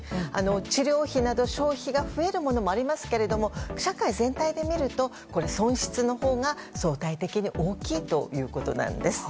治療費など消費が増えるものもありますけれども社会全体でみると損失のほうが相対的に大きいということなんです。